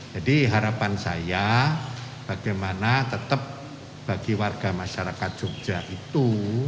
jadi harapan saya bagaimana tetap bagi warga masyarakat yogyakarta itu